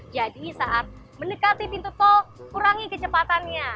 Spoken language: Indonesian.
jadi saat mendekati pintu tol kurangi kecepatannya